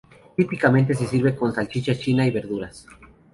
Típicamente se sirve con salchicha china y verduras.